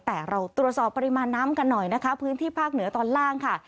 แต่เราตรวจสอบปริมาณน้ำกันหน่อยนะคะพื้นที่ภาคเหนือตอนล่างค่ะ